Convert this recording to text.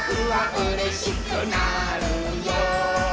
「うれしくなるよ」